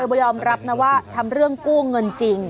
ก็ยอมรับนะว่าทำเรื่องกู้เงินจริง